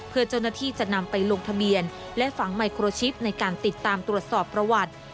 เพื่อเจ้าหน้าที่จะนำไปลงทะเบียนและฝังไมโครชิปในการติดตามตรวจสอบประวัติ